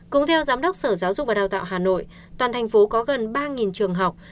cũng theo giám đốc sở giáo dục và đào tạo hà nội toàn thành phố có gần ba trường học